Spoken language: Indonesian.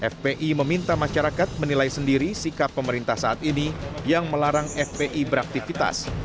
fpi meminta masyarakat menilai sendiri sikap pemerintah saat ini yang melarang fpi beraktivitas